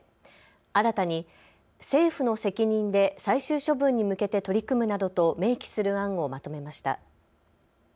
新たに政府の責任で最終処分に向けて取り組むなどと明記する案をまとめました。